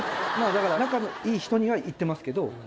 だから、仲のいい人には言ってますけど。